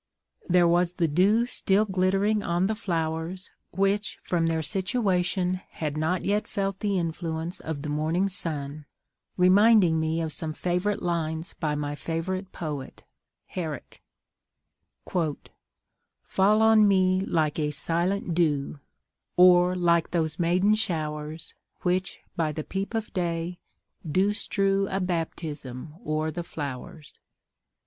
There was the dew still glittering on the flowers, which, from their situation, had not yet felt the influence of the morning sun, reminding me of some favourite lines by my favourite poet, Herrick: "Fall on me like a silent dew, Or like those maiden showers, Which, by the peep of day, do strew A baptism o'er the flowers."